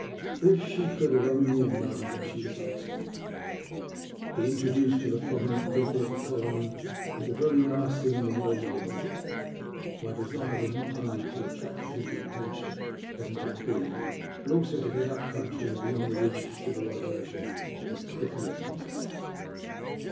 11 she could only have known what she was asking of me ! To be introduced to the prominent people of the colony was the very last thing in the world I wanted. My desire was to not only attract as little attention as might be, but also to get up country and beyond the reach of civilization as quickly as possible.